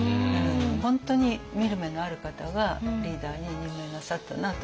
本当に見る目のある方がリーダーに任命なさったなと思いますね。